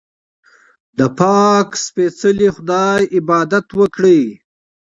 د پاک سپېڅلي خدای عبادت وکړئ.